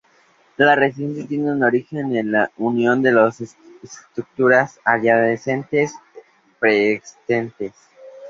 La residencia tiene su origen en la unión de dos estructuras adyacentes preexistentes.